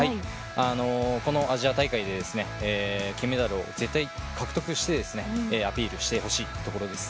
このアジア大会で、金メダルを絶対、獲得してアピールしてほしいところです。